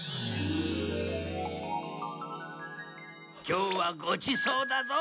今日はごちそうだぞ。